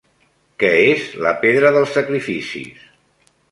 Què és la Pedra dels Sacrificis?